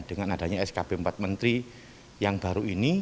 dengan adanya skb empat menteri yang baru ini